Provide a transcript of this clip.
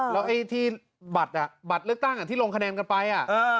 แล้วไอ้ที่บัตรบัตรเลือกตั้งที่ลงคะแนนกันไป